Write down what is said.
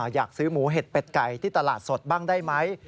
อยากซื้อหมูเห็ดเป็ดไก่ที่ตลาดสดบ้างได้ไหม